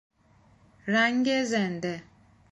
رنگ زنده